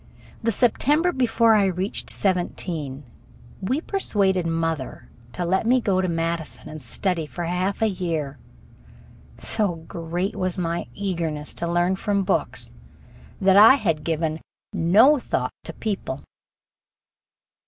The September before I reached seventeen, we persuaded mother to let me go to Madison and study for a half year. So great was my eagerness to learn from books, that I had given no thought to people.